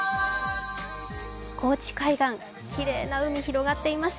高知海岸、きれいな海が広がっています。